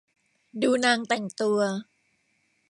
ดูนางแต่งตัว